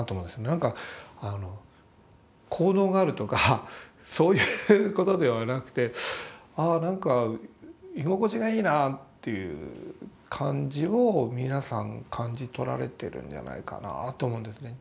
なんか効能があるとかそういうことではなくてああなんか居心地がいいなという感じを皆さん感じ取られてるんではないかなと思うんですね。